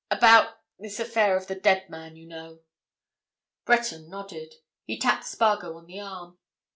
About—this affair of the dead man, you know." Breton nodded. He tapped Spargo on the arm.